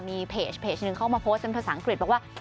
มีเพจหนึ่งเข้ามาโพสต์เป็นภาษาอังกฤษบอกว่า